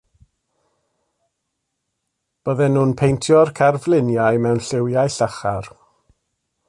Bydden nhw'n paentio'r cerfluniau mewn lliwiau llachar.